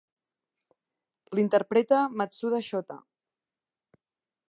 L'interpreta Matsuda Shota.